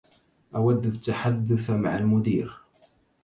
أود التحدث مع المدير.